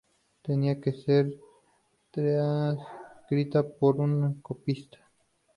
Tenían que ser transcritas por un copista.